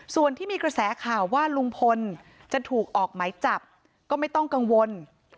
ส่วนที่มีกระแสข่าวว่าลุงพลจะถูกออกไหมจับก็ไม่ต้องกังวล